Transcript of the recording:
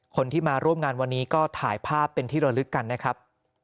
คนที่มาร่วมงานวันนี้ก็ถ่ายภาพเป็นที่ระลึกกันนะครับ